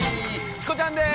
チコちゃんです。